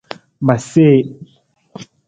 Ma see.